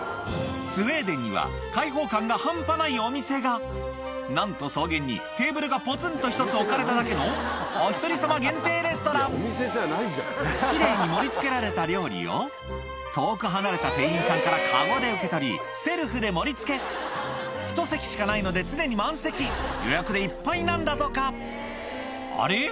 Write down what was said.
スウェーデンには開放感が半端ないお店がなんと草原にテーブルがぽつんと１つ置かれただけの奇麗に盛り付けられた料理を遠く離れた店員さんから籠で受け取りセルフで盛り付けひと席しかないので常に満席予約でいっぱいなんだとかあれ？